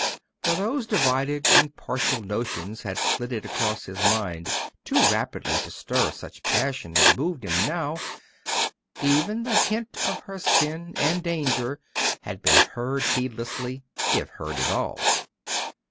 For those divided and partial notions had flitted across his mind too rapidly to stir such passion as moved him now; even the hint of her sin and danger had been heard heedlessly, if heard at all.